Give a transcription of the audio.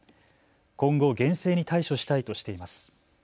今後厳正に対処したいとしています。